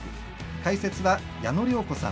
解説は矢野良子さん。